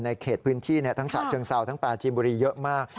เขตพื้นที่ทั้งฉะเชิงเซาทั้งปราจีนบุรีเยอะมาก